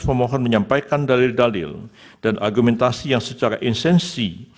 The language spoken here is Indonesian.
pemohon menyampaikan dalil dalil dan argumentasi yang secara insensi